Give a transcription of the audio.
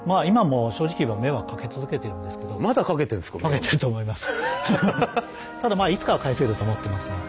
かけてると思います。